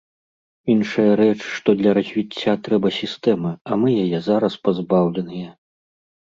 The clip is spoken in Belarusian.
Іншая рэч, што для развіцця трэба сістэма, а мы яе зараз пазбаўленыя.